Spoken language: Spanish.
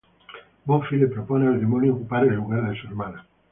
Buffy le propone al demonio ocupar el lugar de su hermana.